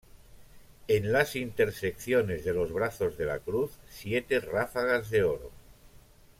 En las intersecciones de los brazos de la cruz, siete ráfagas de oro.